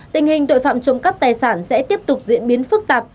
tình hình tội phạm trộm cắp tài sản sẽ tiếp tục diễn biến phức tạp